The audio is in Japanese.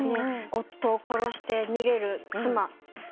夫を殺して逃げる妻の曲とか。